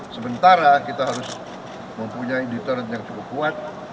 sementara kita harus mempunyai deterent yang cukup kuat